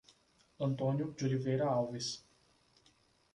Antônio de Oliveira Alves